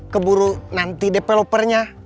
keburu nanti developernya